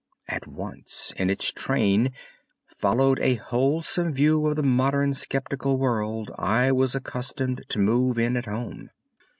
At once, in its train, followed a wholesome view of the modern skeptical world I was accustomed to move in at home.